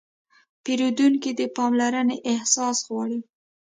پیرودونکی د پاملرنې احساس غواړي.